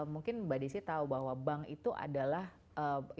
mungkin mbak desy tau bahwa bank itu adalah industri yang berhasil